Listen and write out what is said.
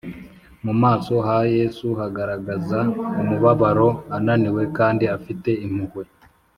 mu maso ha yesu hagaragazaga umubabaro, ananiwe kandi afite impuhwe